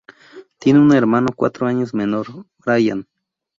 Tiene un hermano cuatro años menor, Brian.